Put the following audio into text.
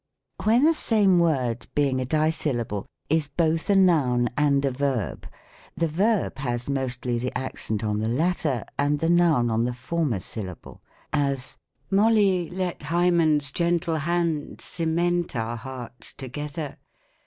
When the same word, being a dissyllable, is both a 106 THE COMIC ENGLISH GRAMMAR. noun and a verb, the verb has mostly the accent on the latter, and the noun on the former syllable : as, " Molly, let Hymen's gentle hand Cement our hearts together.